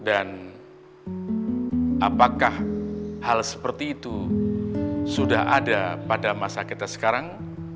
apakah hal seperti itu sudah ada pada masa kita sekarang